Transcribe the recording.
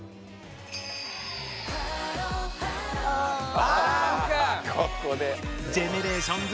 あここで。